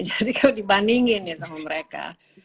jadi kalau dibandingin ya sama mereka